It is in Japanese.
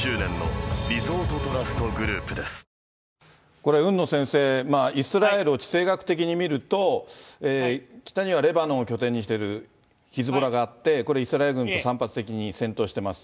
これ海野先生、イスラエルを地政学的に見ると、北にはレバノンを拠点にしているヒズボラがあって、これ、イスラエル軍と散発的に戦闘してます。